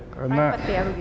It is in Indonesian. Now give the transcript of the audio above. private ya begitu